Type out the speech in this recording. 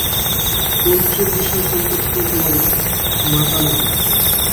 পঞ্চুর বিষয়-সম্পত্তি ওর মাতামহের।